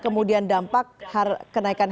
kemudian dampak kenaikan